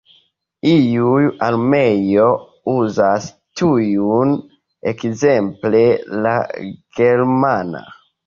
Iuj armeoj uzas tiun, ekzemple la Germana.